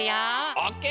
オッケー！